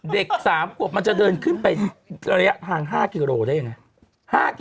เด็ก๓ขวบมันจะเดินขึ้นไประยะทาง๕กิโลได้ยังไง